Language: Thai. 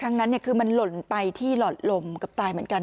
ค่อนข้างมันหล่นไปที่หล่อลมกับตายเหมือนกัน